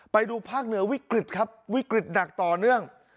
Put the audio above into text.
ไปดูภาคเหนือวิกฤตครับวิกฤตหนักต่อเนื่อง